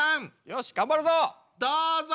よし頑張るぞ！